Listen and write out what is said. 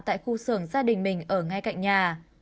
tại khu xưởng gia đình mình ở ngay cạnh nhà